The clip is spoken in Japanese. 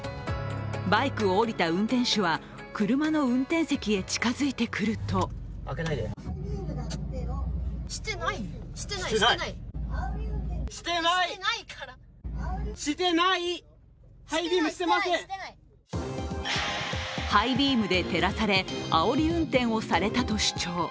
バイクを降りた運転手は車の運転席へ近づいてくるとハイビームで照らされあおり運転をされたと主張。